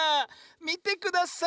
みてください！